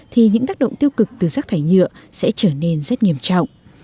thì những tác động tiêu cực từ rác thải nhựa sẽ trở nên rất nghiêm trọng